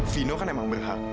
vino kan emang berhak